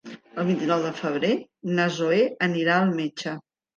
El vint-i-nou de febrer na Zoè anirà al metge.